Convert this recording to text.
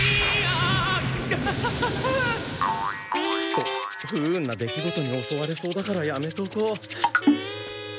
と不運な出来事におそわれそうだからやめとこう。